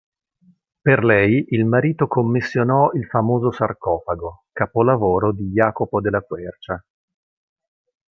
Per lei il marito commissionò il famoso sarcofago, capolavoro di Jacopo della Quercia.